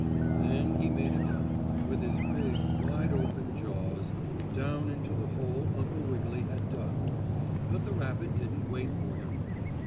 Then he made a dive, with his big, wide open jaws, down into the hole Uncle Wiggily had dug, but the rabbit didn't wait for him.